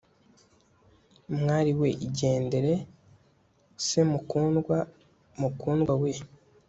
mwali we igendere se mukundwa (mukundwa we